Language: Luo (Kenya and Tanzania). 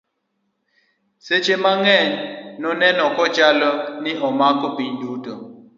sechhe mang'eny noneno kachalo ni omako piny duto